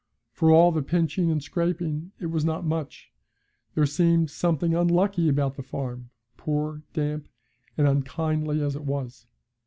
For all the pinching and scraping it was not much; there seemed something unlucky about the farm, poor, damp, and unkindly as it was.